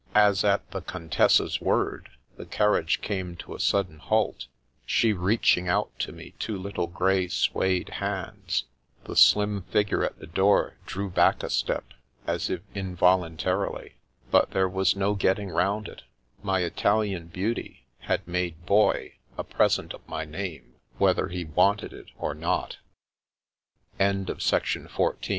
As, at the Contessa's word, the car riage came to a sudden halt, she reaching out to me two little grey suede hands, the slim figure at the door drew back a step, as if involuntarily; but there was no getting round it, my Italian beauty had made Boy a present of my name, whether he wan